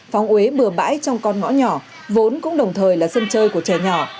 phóng uế bừa bãi trong con ngõ nhỏ vốn cũng đồng thời là sân chơi của trẻ nhỏ